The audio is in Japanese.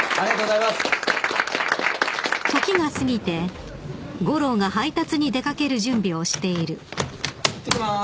いってきます。